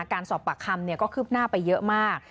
การสอบปากคำก็คืบหน้าไปเยอะมาก